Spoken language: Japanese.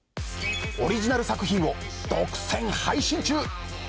オリジナル作品を独占配信中。